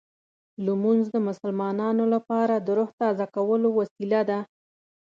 لمونځ د مسلمانانو لپاره د روح تازه کولو وسیله ده.